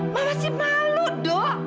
mama sih malu do